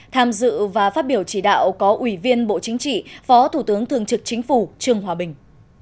tham dự và phát biểu chỉ đạo có ủy viên bộ chính trị phó thủ tướng thường trực chính phủ trương hòa bình